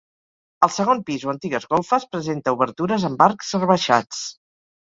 El segon pis o antigues golfes presenta obertures amb arcs rebaixats.